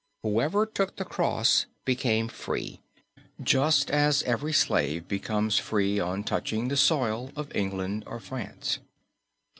Whoever took the cross became free, just as every slave becomes free on touching the soil of England or France.